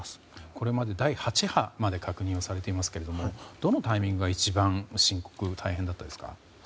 これまで第８波まで確認されていますがどのタイミングが一番深刻、大変でしたか？